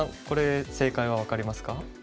これ正解は分かりますか？